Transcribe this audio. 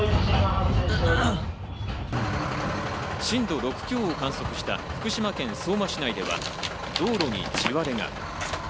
震度６強を観測した福島県相馬市内では、道路に地割れが。